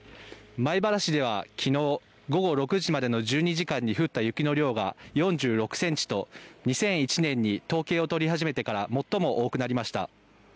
米原市ではきのう午後６時までの１２時間に降った雪の量が４６センチと、２００１年に統計を取り始めてから最も多くなりました。